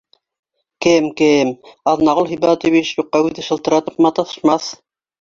Кем-кем, Аҙнағол Һибәтович юҡҡа үҙе шылтыратып маташмаҫ